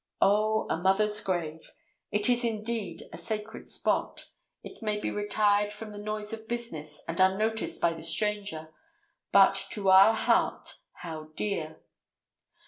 Oh, a mother's grave! It is indeed a sacred spot. It may be retired from the noise of business, and unnoticed by the stranger; but to our heart how dear!